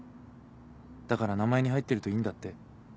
だから名前に入ってるといいんだって。